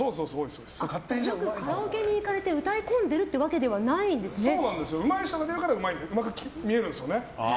よくカラオケに行かれて歌い込んでいるわけじゃうまい人が出るからうまく見えるんですよね。